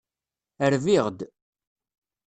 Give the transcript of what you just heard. Rbiɣ-d.